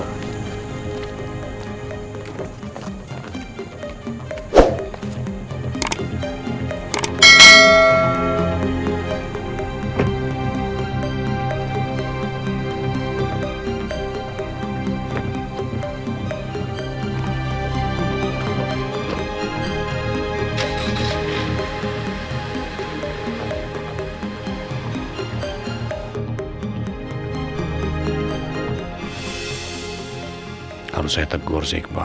kalau saya tegur si iqbal